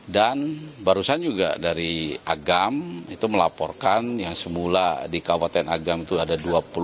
barusan juga dari agam itu melaporkan yang semula di kabupaten agam itu ada dua puluh